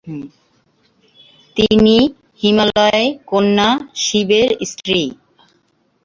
তিনি হিমালয় কন্যা শিবের স্ত্রী।